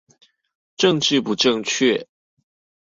政治不正確